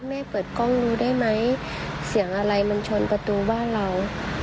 เปิดกล้องดูได้ไหมเสียงอะไรมันชนประตูบ้านเรา